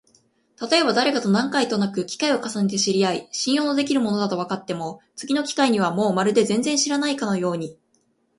たとえばだれかと何回となく機会を重ねて知り合い、信用のできる者だとわかっても、次の機会にはもうまるで全然知らないかのように、